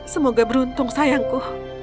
semoga beruntung sayangku